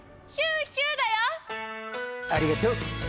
ありがとう。